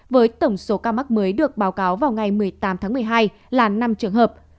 với tổng số ca mắc mới được báo cáo vào ngày một mươi tám tháng một mươi hai là năm trường hợp